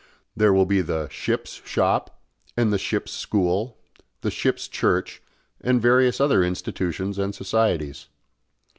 There will be the "Ship's Shop" and the "Ship's School," the "Ship's Church" and various other institutions and societies.